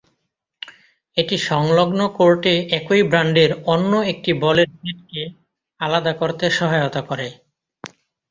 এটি সংলগ্ন কোর্টে একই ব্র্যান্ডের অন্য একটি বলের সেটকে আলাদা করতে সহায়তা করে।